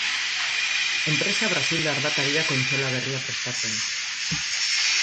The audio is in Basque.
Enpresa brasildar bat ari da kontsola berria prestatzen.